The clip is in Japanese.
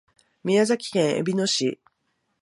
宮崎県えびの市